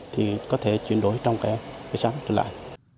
thì có thể trồng được hai ba vụ rõ đậu các loại